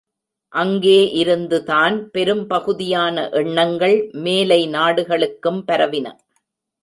அங்கே இருந்துதான் பெரும்பகுதியான எண்ணங்கள் மேலை நாடுகளுக்கும் பரவின!